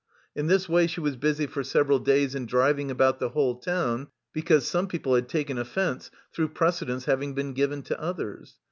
In this way she was busy for several days in driving about the whole town, because some people had taken offence through precedence having been given to others.